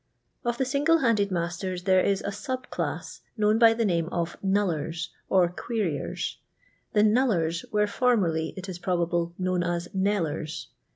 Of the single handed masters there is a sub class known by the name of " knullers " or " queriers." The knullers were formerly, it is probable, known as knellers.